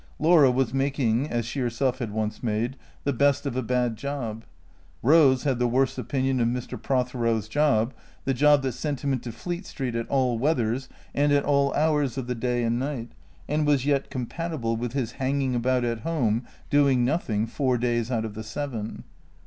Laura was making (as she herself had once made) the best of a bad job. Eose had the worst opinion of Mr. Prothero's job; the job that sent him into Fleet Street in all weathers and at all hours of the day and night, and was yet compatible with his hanging about at home, doing nothing, four days out of the seven.